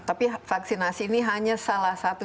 tapi vaksinasi ini hanya salah satu